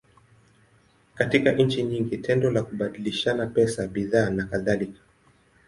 Katika nchi nyingi, tendo la kubadilishana pesa, bidhaa, nakadhalika.